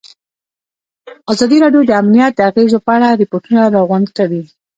ازادي راډیو د امنیت د اغېزو په اړه ریپوټونه راغونډ کړي.